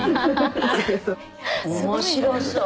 面白そう。